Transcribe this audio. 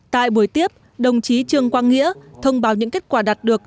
tại buổi tiếp đồng chí trương quang nghĩa thông báo những kết quả đạt được